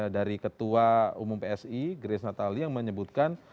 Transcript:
dari ketua umum psi grace natali yang menyebutkan